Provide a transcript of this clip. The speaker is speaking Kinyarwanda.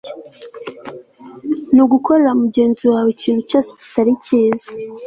ni ugukorera mugenzi waweikintu cyose kitari cyiza